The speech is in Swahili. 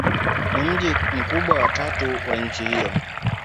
Ni mji mkubwa wa tatu wa nchi hiyo.